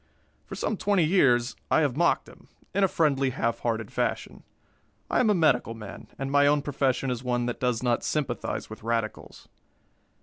For some twenty years I have mocked him, in a friendly, half hearted fashion. I am a medical man, and my own profession is one that does not sympathize with radicals.